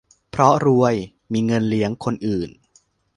เพราะรวย มีเงินเลี้ยงคนอื่น